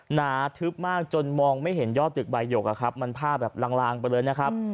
หนาทึบมากจนมองไม่เห็นยอดตึกใบหยกอะครับมันผ้าแบบลางไปเลยนะครับ